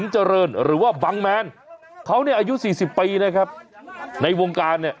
เจริญหรือว่าบังแมนเขาเนี่ยอายุ๔๐ปีนะครับในวงการเนี่ย